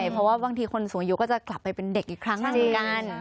เพราะว่าบางทีคนสูงอายุก็จะกลับไปเป็นเด็กอีกครั้งหนึ่งกัน